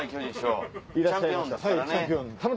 いらっしゃいました。